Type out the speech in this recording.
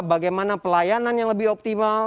bagaimana pelayanan yang lebih optimal